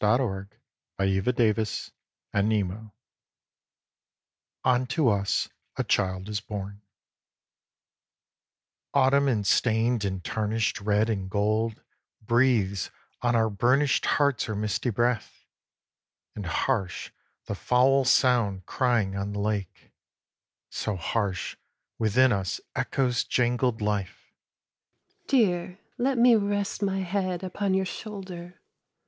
34 IN THE NET OF THE STARS Unto us a Child is Born HE: Autumn in stained and tarnished red and gold Breathes on our burnished hearts her misty breath, And harsh the fowl sound crying on the lake ; So harsh within us echoes jangled life. SHE : Dear, let me rest my head upon your shoulder.